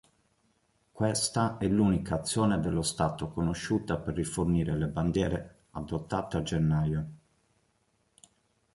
Questa è l'unica azione dello stato conosciuta per rifornire le bandiere adottate a gennaio.